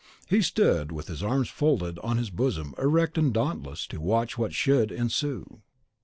He stood, with his arms folded on his bosom erect and dauntless, to watch what should ensue.